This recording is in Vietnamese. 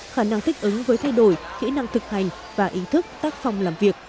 khả năng thích ứng với thay đổi kỹ năng thực hành và ý thức tác phong làm việc